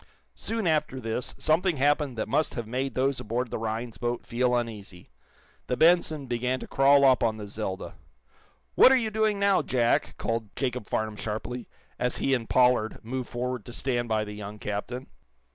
Soon after this something happened that must have made those aboard the Rhinds boat feel uneasy. The "Benson" began to crawl up on the "Zelda." "What are you doing now, Jack?" called Jacob Farnum sharply, as he and Pollard moved forward to stand by the young captain.